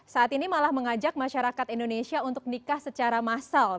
saat ini malah mengajak masyarakat indonesia untuk nikah secara massal